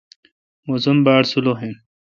موسم باڑ سولوخ این۔